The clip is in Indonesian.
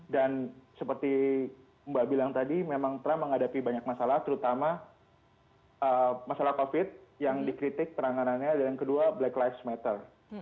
dan seperti mbak bilang tadi memang trump menghadapi banyak masalah terutama masalah covid yang dikritik peranggarannya dan yang kedua black lives matter